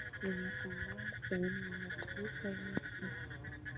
za kandanda baina ya mataifa ya afrika